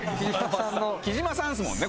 木島さんですもんね